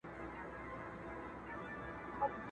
زه چي قدم پر قدم ږدم تا یادومه.!